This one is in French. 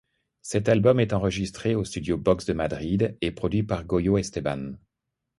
Cet album est enregistré aux studios Box de Madrid, et produit par Goyo Esteban.